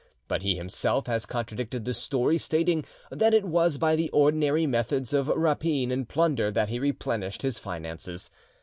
But he himself has contradicted this story, stating that it was by the ordinary methods of rapine and plunder that he replenished his finances.